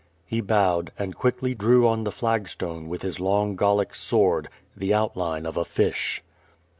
He bowed, and quickly drew on the flag stone, with his long Gallic sword, the outline of a fish.